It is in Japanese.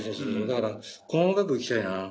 だから細かくいきたいな。